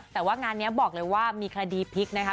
แต่ว่างานนี้บอกเลยว่ามีคดีพลิกนะคะ